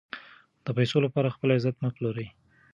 د پیسو لپاره خپل عزت مه پلورئ.